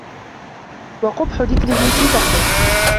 وَقُبْحِ ذِكْرِهِ فِي دَهْرِهِ